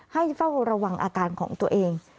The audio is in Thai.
เฝ้าระวังอาการของตัวเอง